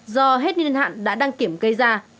do hết nhiên hạn đã đăng kiểm gây ra